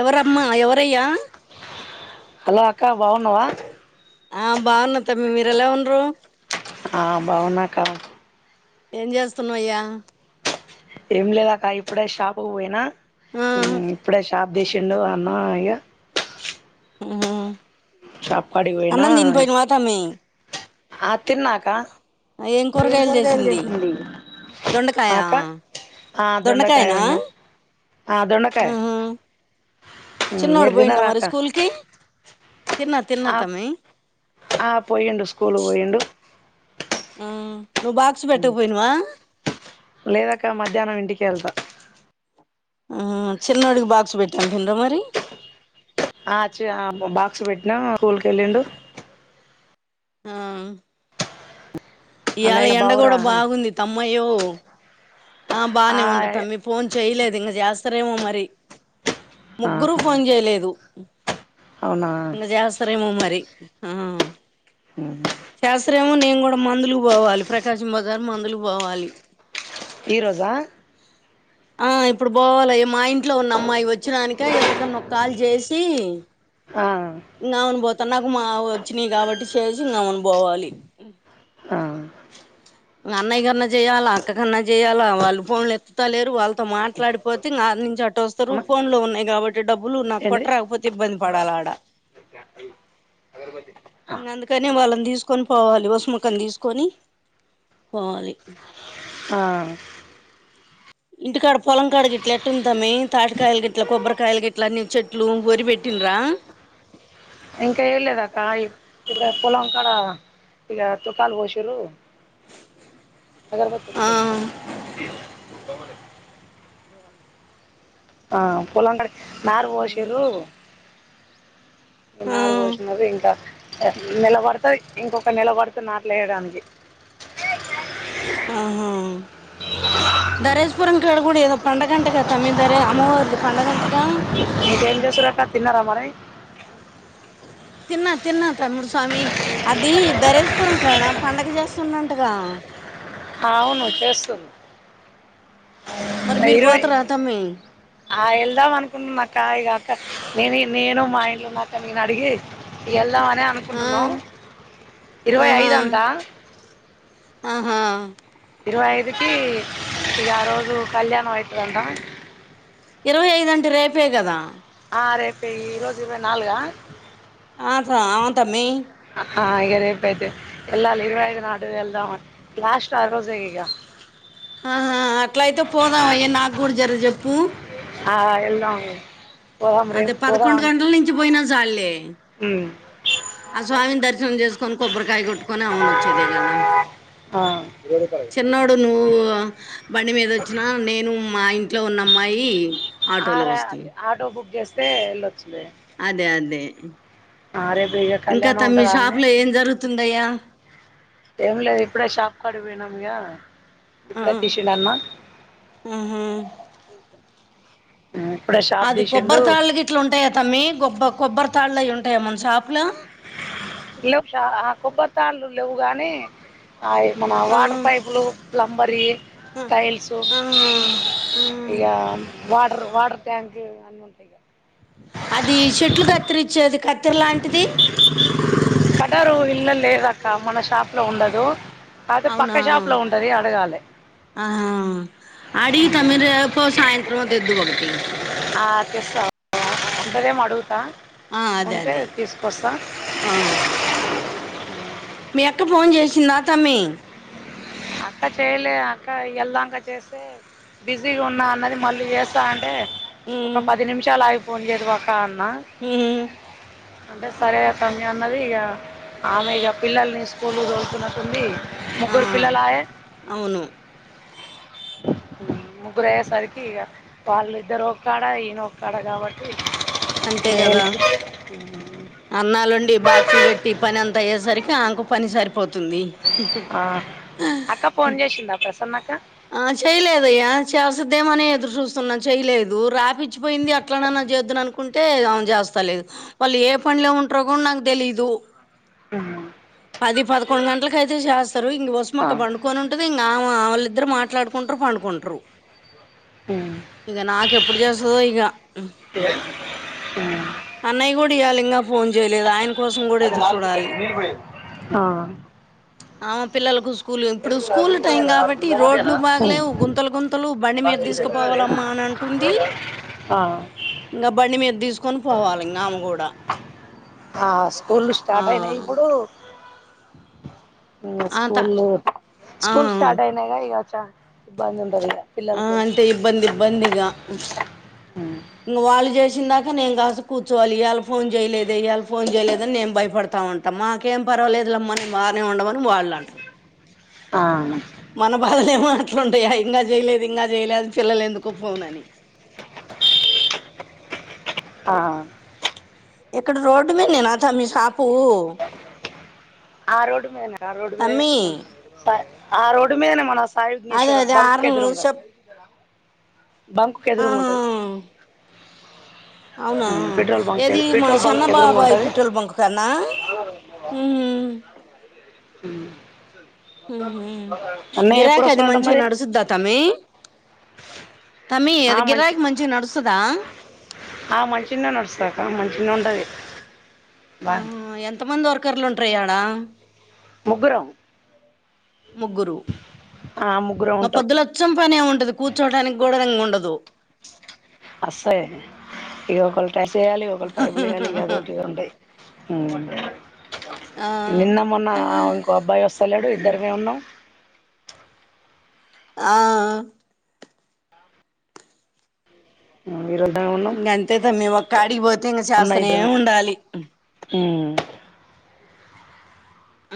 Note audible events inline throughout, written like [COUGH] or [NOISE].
ఎవరమ్మా, ఎవరయ్యా! హలో అక్క బాగున్నవా? ఆ బాగున్న తమ్మి, మీరెలా ఉండ్రు? ఆ బాగున్నక్కా. ఏం చేస్తున్నవయ్యా? ఏం లేదక్క ఇప్పుడే షాపుకు పోయిన ఆ ఇప్పుడే షాప్ తీశిండు అన్నా ఇగ మ్ షాప్ కాడికి పోయినా అన్నం దిని పోయినవా తమ్మి ఆ తిన్న అకా ఏం కూరగాయల్ చేసింది దొండకాయ ఆ దోండకాయ్ దొండకాయనా ఉన్న ఆ దోండకాయ ఉహు మ్ చిన్నోడు మీర్ పోయిండా తిన్నరా మరి అక్క స్కూల్ కి తిన్నా తిన్నా ఆప్ తమ్మి ఆ పోయిండు స్కూలు పోయిండు. ఆ నువ్వు బాక్స్ పెట్టక పోయినవా లేదక మధ్యాహ్నం ఇంటికే ఎళ్తా ఆ చిన్నోడికి బాక్స్ పెట్టి అంపిన్ర మరీ ఆ చి ఆ బాక్స్ పెట్టినా తోల్కెళ్ళిండు. ఆ ఇయాళ అన్నయ్య ఎండ బావురా కూడా అన్న. బాగుంది తమ్మాయి య్యో ఆ బానే ఉంటద్ తమ్మీ ఫోన్ చేయలేదు ఇంక చేస్తారేమో మరి ముగ్గురు ఆహా ఫోన్ చేయలేదు. అవునా ఇంగ జేస్తారేమో మరి ఆ చేస్తారేమో నేన్ గు డ మందుల్కు పోవాలి ప్రకాశం బజార్ మందులు పోవాలి. ఈ రోజా? ఆ ఇప్పుడు పోవాలి మా ఇంట్లో ఉన్న అమ్మాయి వచ్చినానిక ఎవరికన్నా ఒక్ కాల్ చేసీ ఆ నావును బోత న మావ్ వచ్చినయి కాబట్టి చేసి ఇంగ మనం బోవాలి. ఆ మీ అన్నయ్య కన్న చేయ్యాల అక్క కన్న చేయ్యాల వాళ్ళు ఫోన్లు ఎత్తుతలేరు వాళ్ళతో మాట్లాడిపోతే ఇంగ అట్ నుంచి అటు వస్తారు అమ్మ ఫోన్లో ఉన్నాయి కాబట్టి డబ్బులు నాకు కొట్ట ఏంటిది రాకపోతే ఇబ్బంది పడాల ఆడ [UNINTELLIGIBLE] అందుకనే వాళ్ళన్ తీస్కొన్ పోవాలి వసుమక్కని తీస్కొని పోవాలి. ఆ ఇంటికాడ పొలం కాడ గిట్ల ఎట్టుంది తమ్మీ తాటికాయల్ గిట్ల, కొబ్బరికాయల్ గిట్ల అన్ని చెట్లు వరి పెట్టి న్రా? [INAUDIBLE] ఇంక ఏయలేదక్క ఇ ఇప్పుడా పొలంకాడ ఇగ తుకాలు పోషింరు. అగర్బత్తి ఆ ఉంటే తే ఆ పొలంకాడ నారు పోషింరు. ఆ నారు పోషినరు ఇంకా నిలబడుత ఇంకొక నిలబడుత నాట్లు వేయడానికి దరేజపురం కాడ కూడ ఎదో పండుగంటగా తమిందరే అమ్మవార్ పండుగంట మీకేం చేసురక్క తిన్నారా మరి తిన్నా తిన్నా తమ్ముడు స్వామి అది ధరేజపురం కాడ పండగ చేస్తున్నంటగా అవును చేస్తుం మరి మీరు ఇరవై పోతారా తమ్మీ ఆ వెళ్దాం అనుకుంటునా అక్క ఇగ నేని నేను మా ఇంట్లో ఉన్నావాలందరిని అడిగి ఎల్ల్దాం ఆ అనుకుంటున్నాం ఇరవై ఐదు అంటా అహ ఇరవై ఐదుకి ఇగ ఆ రోజు కళ్యాణం అయితదంట ఇరవై ఐదంటే రేపే కదా ఆ రేపె ఈ రోజు ఇరవై నాలుగ ఆ స అవును తమ్మి ఆ ఇగ రేపైతే ఎల్లాలి ఇరవై ఐదు నాడు వెల్దాం లాస్ట్ ఆరోజే ఇగ ఆహా అట్ల అయితే పోదాం అయ నాకు కూడా జర చెప్పు ఆ ఏళ్దాం అదే పదకొండు గంటల నుంచి పోయినా చాల్లే ఉమ్ ఆ స్వామిని దర్శనం చేసుకొని కొబ్బరికాయ కొట్టుకొని అవునోచ్చేదే కదా ఆ చిన్నోడు నువ్వు బండి మీద వచ్చినా నేను మా అయిన్ ఇంట్లో ఉన్నమ్మాయి ఆర ఆటో బుక్ చేస్తే ఎల్లో అదే అదే ఆ రేపు ఇక ఇంకా కళ్యాణం తమ్మీ మీ ఉంటది షాప్ అన్నే లో ఏం జరుగుతుందయ్యా ఏం లేదు ఇప్పుడే షాప్ కాడిపోయినం ఇయ ఆ ఇప్పుడే తీశిండన్నా ఆహా అది కొబ్బరి తీసిండు తాళ్లు గిట్లా ఉంటాయ తమ్మి గొబ్బ కొబ్బరి తాళ్లు అవి ఉంటాయా మన షాప్ లో లేవు ష కొబ్బరి తాళ్ళు లేవు గానీ అయ్ మన ఆ వాటర్ పైపులు ప్లంబర్యి ఆ టైల్సు ఆ ఆ ఇగ వాటర్ వాటర్ ట్యాంక్లు అన్ని ఉంటాయి ఇగ అది చెట్లు కత్తిరిచ్చేది కత్తిర లాంటిది కటారు ఇల్ళ లేదక్క మన షాప్ లో ఉండదు అది పక్క షాప్ లో ఉంటది అడగాలి ఆ అడిగి తమ్మి రేపో సాయంత్రమో తెద్దువు ఒకటి ఆ తెస్త ఉంటదేమో అడుగుతా ఆ అదే ఉంటే అదే తీసుకొస్తా ఆ మీ అక్క ఫోన్ చేసిందా తమ్మీ అ అక్క చేయలే అక్క వెళ్దాక చేసి బిజీగా ఉన్నా అన్నది మళ్ళీ చేస్తా అంటే ఒక ఉమ్ పది నిమిషాలు ఆగి ఫోన్ చేదువాకా అన్న ఉమ్ అంటే సరే తమ్మీ అన్నది ఇగ ఆమె ఇగ పిల్లల్ని స్కూల్ తోలుకున్నట్టుంది ఆ ముగ్గరు పిల్లలాయే అవును ముగ్గురయ్యేసరికి ఇగ వాళ్ళిద్దరు ఒక్కడా ఈనోక్కాడా గావాట్టి మేల్ అన్నాలొండి బాక్సులు పెట్టి పనంత అయ్యేసర్కి ఆంకు పని సరిపోత్ తుంది ఉహు ఆ. ఆ అక్క ఫోన్ చేసిందా ప్రసన్న అక్క ఆ చేయ్ లేదయ్యా చాస్సద్దేమని ఎదుర్ జూస్తున్నా చేయ్ లేదు రాపిచ్చిపోయింది అట్లననా చేదుననుకుంటే ఆవా జస్తాలేదు వాళ్ళు ఏ పన్ లో ఉంట్రో గుడ్ నాక్ దేలీదు పది పదకొండు గంట్ల కైతే చాస్తారు ఉంగ్ ఆ. వసుమక్క బండుకొనుంటాది ఇంగ్ ఆవా వాళ్ళిద్దరు మాట్లాడ్ కుంట్రూ పండుకుంట్రూ ఇగ నాకెప్పుడు జేస్తదో ఇగ అన్నయ్ కూడా ఇయ్యాల్ ఇంగ ఫోన్ జేయలేద్ ఐన్ కోసం గుడ అది ఎదుర్ నాలుగు చూడాలి పెట్టు, నీళ్ళు పోయేది. ఆ ఆవా పిల్లలకు స్కూలున్ ఇప్పుడు స్కూల్ టైం గాబట్ ట్టి రోడ్లు అదేనా? ఉమ్. బాగలేవు గుంతలు గుంతలు బండి మీద ప్లాస్టిక్ బ్యాగ్. దిస్కపోవాలమ్మా అనంటుంది ఆ. ఇంగ బండ్ మీద్ ఆ స్కూలు ఆ స్టార్ట్ ఐనాయి ఇప్పుడు ఉంగ అంత స్కూలు ఆ స్కూల్ స్టార్ట్ ఐనైగా ఇగ చా బండుందా దిగ ఆ అంటే ఇబ్బంది ఇబ్బందిగా హ్మ్ ఇంగ్ వాళ్ జేష్ చ్చిందాక నేన్ గాసుక్కు కూచ్చోవాలి ఇయ్యాలా ఫోన్ జేయ్ లేదే ఇయ్యాల్ ఫోన్ జేయ్ లేదని నేం బైపడతా ఉంటా మాకేం బా పర్వలేదులేమ్మని బనే వుండవన్ వాళ్ లంట్రూ ఆ నా కోది మాట్లుంటాయా ఇంగ జేయ్ లేదు ఇంగ జేయ్ లేదు పిల్లలెందుకో ఫోన్ అని ఆ ఇక్కడ రోడ్ మీనేనా తమ్మి సాప్ ఆ రోడు మీదనే రా రోడు మేనే తమ్మి మన్ సా ఆ రోడ్డు మీద్నే మన సైబ్ అదే మీషారో అదే బంక్ ఆరును ఎదురుంగ చెప్ బంక్ కేదురూంగ్ ఉంటది ఔనా పెట్రోల్ బంక్ ఏది మా పెట్రోల్ బంక్ ఎదురుంగా షేన్నబాబాయ్ ఉంటది పీట్రోల్ బంకు కానా ఊహుమ్ ఉమ్ ఊహుమ్ గిరాకీ అది వస్తాడంట మంచిగా మరి నడుసుద్దా తమీ తమ్మి ఆ అది మంచి గిరాక్ మంచిగ్ నడుస్తుదా ఆ మంచిన్నే నడుసాకా మంచిన్నే ఉంటది బా ఆహ్మ్ ఎంతమంది వర్కర్లు ఉంట్రయ ఆడా ముగ్గురం ముగ్గురు ఆ ముగ్గురం ఇంగ ఉంటాం పొద్దులచ్చం పనే ఉంటది కూచ్చోడానీక్ గూడ్ ఇంగు ఉండదు అస్సే ఇగ్ ఒకల్ టైసేయ్యాలి ఒకల్ పైపులేయ్యాలి అదో ఇదుంటాయ్ ఉమ్ ఆ నిన్న మొన్న ఆ ఇంకో అబ్బాయి ఓస్తలేడు ఇద్దర్మే ఉన్నాం ఆ ఆ ఉమ్, ఈరోజుమే ఉన్నాం ఇంగ అంతేతామ్మి ఒక్కడిగ్ పోతే ఇంగ ఉన్న చాస్తనే ఇద్దరమే ఉండాలి ఉమ్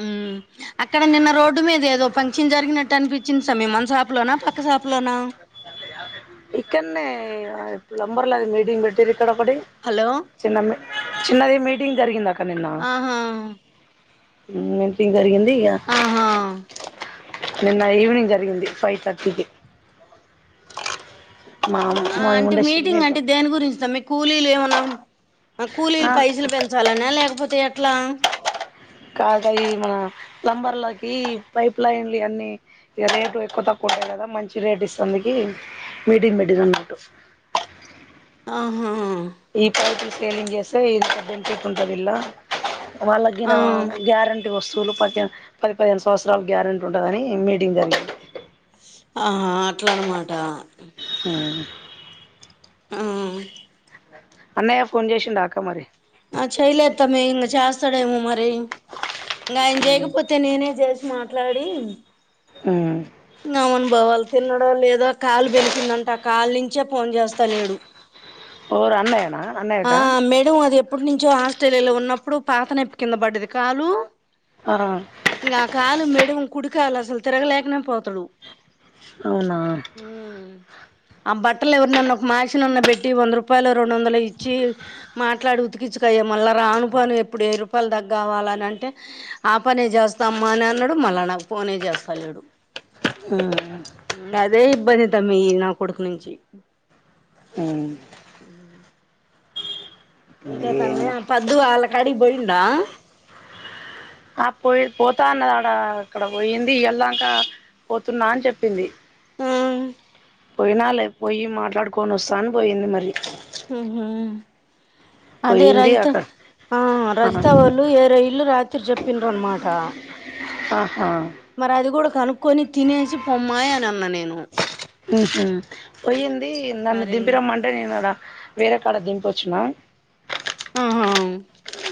ఉమ్ హ్మ్ అక్కడ నిన్న రోడ్డు మీద ఏదో ఫంక్షన్ జరిగినట్టు అన్ పీచ్చింది సమ్మి మన్ సాపులోనా పక్క సాపులోనా అ ఇక్కన్నే ప్లంబర్ లేది మీడింగ్ బెటీరి ఇక్కడ పడి హలో చిన్న మీ చిన్నది మీటింగ్ జరిగింద ఆహా మ్ మీ ఆహా నిన్న ఈవినింగ్ జరిగింది ఫైవ్ థర్టీకి మా ఆ మేము అంటే ఉండే షిప్ మీటింగ్ అంటే దేని గురించిా మీకు కూలీలు ఏమనా కూలీలు మీద పైసలు పెంచాలన్నా లేకపోతే ఎట్లా కాదు అయి ఈ మన ప్లంబర్లకి పైప్ లైన్లు అన్నిీ ఇగ రేటు ఎక్కువ తక్కువ కదా మంచి రేట్ ఇస్తది మీటింగ్ బెటిరన్నట్టు ఆహా ఈ పైపూలు సేలింగ్ చేస్తే ఇంత బెనిఫిట్ ఉంటది ఇళ్ళ ఆ వాళ్ళకిగిన గ్యార వస్తువులు ప పది పదిహేను సంవత్సరలు గ్యారెంటీ ఉంటదని మీటింగ్ జరిగింది ఆహా అట్లా అనమాట మ్ ఆ అన్నయ్య ఫోన్ చేసిిడా అక్క మరి ఆ చేయలేత్తామ ఇంగే చేస్తాడేమో మరి ఇంగ ఆయన చేయకపోతే నేనే చేసి మాట్లాడి మ్ నమన్ బోవాల్ తిన్నడో లేదో కాలు బెనికిందంట కాల్ నుంచే ఫోన్ చేస్తా లేడు ఓరు అన్నయ్యనా ఆ అన్నయ్యకా మేడం అది ప్పుటి నుంచో ఆస్ట్రేలియాలో ఉన్నప్పుడు పాత నొప్పి కింద పడ్డది కాలు ఆ ఇంగ ఆ కాలు మెడం కుడికాలసలు తిరగలేకనే పోతాడు అవునా ఆ బట్టలు ఎవరినన్న ఒక మాషినన్న పెట్టి వంద రూపాయలు రెండు వందలు ఇచ్చి మాట్లాడు ఉతికిచ్చుకోయ్య మళ్ళా రాను పోను ఎప్పుడు వెయ్యి రూపాయలు దాకకవాలంటే ఆ పనే చేస్తామ్మ అని అన్ న్నాడు మళ్ళా నాకు ఫోనే చేస్తా లేడు అ అదే ఇబ్బంది తమ్మి నా కొడుకు నుంచి మ్ ఇంకా తమ్మి ఏం ఆ పద్దు వాళ్ళ కాడిగి పోఇండా ఆ పోయి పోతా అన్నది అడ అక్కడ పోయింది వెళ్ళక పోతున్నా అని చెప్పింది ఆ పోయిన లే పోయి మాట్లాడుకోని వస్తా అని పోయింది మరి మ్ హు అదే పోయింది రజిత అక్కడ ఆ ఆ రజిత వాళ్ళు ఏరే ఇళ్ళు ర ి చెప్పిండ్రన్నమాట ఆహా కనుక్కొని తినేసి పొమ్మాయి అని అన్న నేను మ్ హు పోయ్యింది నన్న మరింగా దింపిరమ్మంటే నీను ర వేరే కాడ దీంపి వచ్చిన ఆహా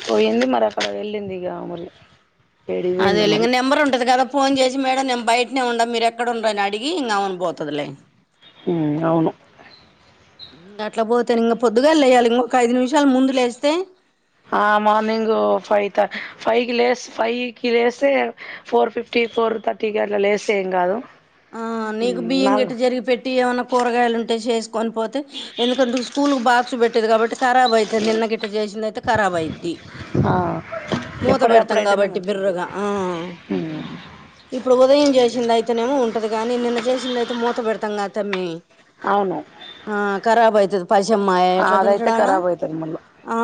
పోయింది మరి అక్కడ వెళ్ళింది గా మరి ఏడికి పోయిందో అదేలె ఇగ మరి నెబర్ ఉండదు కద ఫోన్ చే సి మేడం నేను బయటనే ఉండ మీరు ఎక్కడ ఉండని అడిగి ఇం అమని పోతుదిలే మ్ అవును ఇంకా అట్లా పోతేను ఇంకా పొద్దుగా లేయాలి ఇంక ఒక ఐదు నిమిషాలు ముందు లేస్తే ఆ మార్నింగ్ ఫైవ్ త ఫైవ్ కి లే ఫైవ్ కి లేస్తే ఫోర్ ఫిఫ్టీ పోర్ తర్టీ కి అట్లా లేస్ ఏం కాదు ఆ నీకు బియ్యం నాల్ గట్ జరిగి పెట్టి ఏమైన్నా కూరగాయలు ఉంటే చేసు కొనిపోతే ఎందుకంటే స్కూల్ బాక్స్ పెట్టేది కాబట్టి ఖరాబ్ అవుతుంది నిన్న గిట్ట చేసింది అయితే ఖరాబ్ అయిద్ధి. ఆ మూత ఎప్పటిదప్పుడు పెడతాం అయితేనే కాబట్టి మంచిగా ఉంటది బిర్రగా ఆ ఇప్పుడు ఉదయం చేసింది అయితేనేమో ఉం టది కాని నిన్న చేసింది అయితే మూత పెడతాం తమ్మి అవును ఆ కరాబ్ అయి పైసమ్మాయ ఎట్లా అదైతే తింటాడాడా ఖరాబ్ అయితది మళ్ళా ఆ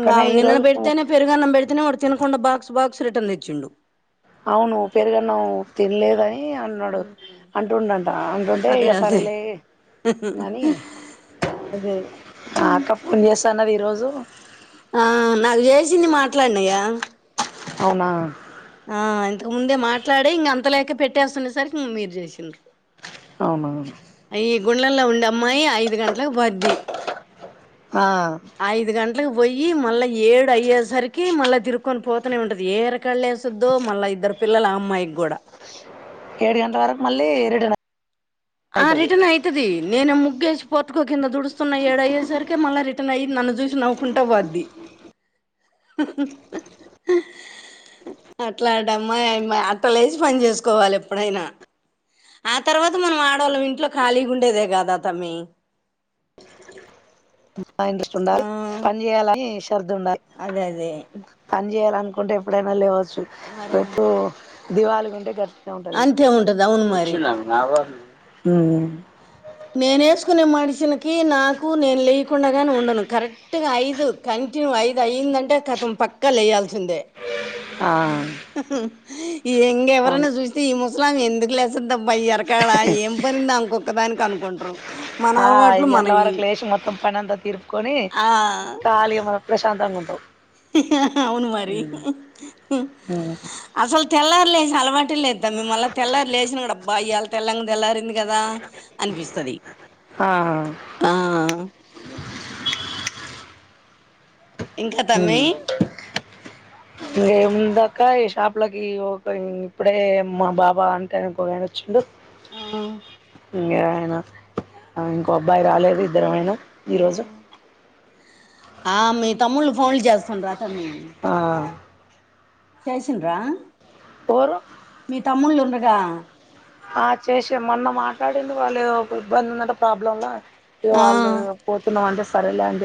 ఇంగా నిన్నన్న ఈరోజు పెడితేనే పెరుగన్నం పెడితేనే వాడు తినకుండా బాక్స్ బాక్స్ రిటర్న్ తెచ్చిండు. అవును పెరుగాన్నం తినలేదని ని అన్నాడు అంటుండంట అంటుంటే అదే ఇక అదే సరేలే కానీ అదే అక్క పోన్ చేస్తానుది ఈరోజు ఆ నాకు చేసింది మాట్లాడినిగ అవునా ఆ ఇంతక ముందే మాట్లాడే ఇంక అంతలేక పెట్టేస్తున్న సరికి ఇం మీరు చేసిండ్రు. అవున గుళ్లల్లో ఉండ అమ్మాయి ఐదు గంటలకు పోద్ది ఆ ఐదు గంటలకు పోయి మళ్ళీ ఏడు అయ్యేసరికి మళ్ళా తిరుకొని పో త్తనే ఉంటది ఎరకలేేస్తుద్దో మళ్ళా ఇద్దరు పిల్లల అమ్మాయికి కూడా ఏడు గంటల వరకు మళ్ళీ రిటర్న్ ఆ అయితది రిటర్న్ అయితది నేన ము ముగ్గేష్ పటుకు కింద దుడుస్తున్న ఏడయేసరికకి మళ్ళీ రిటర్న్య్యి ను చూసి నవ్వుకుంటా పోద్ధి [INAUDIBLE] హ్హ్హ్ హ్ అట్లాంటమ్మాయ్ అమ్మయి అట్ట లేచి పని చేసుకోవాలి ఎప్పుడైనా ఆ తర్వాత మనం ఆడవాళ్ళం ఇంట్లో ఖాళీగా ఉండేదే కాదా తమ్మి [INAUDIBLE] బా ఇంట్రెస్ట్ ఆ ఉండాలి పని చేయాలని శ్రద్ద ఉండాలి అదే అదే పని చేయాల కుంటే ఎప్పుడైనా లేవచ్చు. మరే రేపు దివాళిగా ఉంటే గట్ ఉంటది అంతే ఉంటది అవును మరి వచ్చినా మావో ఉమ్ నేను వేసుకునే మనిషిలకి, నాకు నేను లేయకుండాగానే ఉండను కరెక్ట్ గా ఐదు కానీ కంటిన్యూ ఐదు అయిందంటే కతం పక్క లేయాల్సిందే. ఆ ఇది ఎంగ ఎవరైనా అవును చూస్తే ఈ ముస్లాంఆమె ఎందుకు లేస్తబ్బా ఎరకాడా ఏం పనింది అంకొక్కదానికి కనుకుంట్రు ఆ ఐది గంటల వరకు లేచి మొత్తం పనంత తీర్పు కొని ఆ ఖళీన ప్రశాంతంగా ఉంటావు హిహ్హ్ అవును మరి అసలు తెల్లార్లే అలవాటె లేద్ తమ్మీ మల్లా తెల్లారి లేచిన కూడా అబ్బా ఇయాల తెల్లంగా తెల్లారింది కదా అనిపిస్తది ఆ ఆ ఇంకా తమ్మి ఇంకేముందక్క ఈ షాప్లకి ఇప్పుడే మా బాబా అంటానుకో చ్చిండు ఆ ఇంగే ఆయన ఇంకో అబ్బాయి రాలేదు ఇద్దరమయినం ఆ మీ తమ్ముళ్ళ ఫోన్లు చేస్తుండ్రా తమ్మీ ఆ చేసిండ్రా పోరు మీ తమ్ముళ్ ఉండగా ఆ చేసేం మొన్న మాట్లాడింది వాళ్ళు ఇబ్బంది ఉందంట ప్రాబ్లంలా ఇగ వాళ్ళు పోతున్నామంటే సారే లే అని జెప్